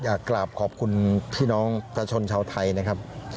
อยากกราบขอบคุณพี่น้องประชาชนชาวไทยนะครับ